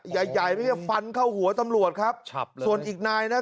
ใหญ่ใหญ่ไม่ใช่ฟันเข้าหัวตำรวจครับส่วนอีกนายนะ